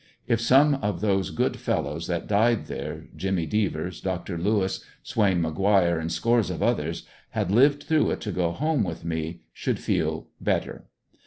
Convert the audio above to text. If some of those good fellows that died there, Jimmy Devers, Dr. Lewis, Swain, McGuire and scores of others, had lived through it to go home with me, should feel better.